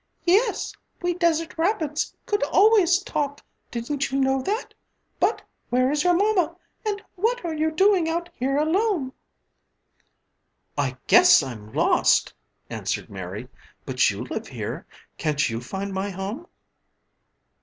"Yes, we desert rabbits could always talk, didn't you know that? But, where is your mamma and what are you doing out here alone?" "I guess I'm lost," answered Mary, "but you live here, can't you find my home?"